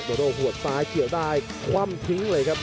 โด่หัวซ้ายเกี่ยวได้คว่ำทิ้งเลยครับ